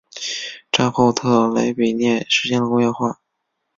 战后特雷比涅实现了工业化。